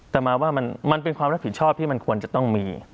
แต่มาว่ามันเป็นความรับผิดชอบที่มันควรจะต้องมี